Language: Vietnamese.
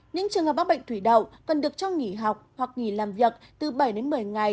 những trường hợp bác bệnh thủy đậu cần được cho nghỉ học hoặc nghỉ làm việc từ bảy đến một mươi ngày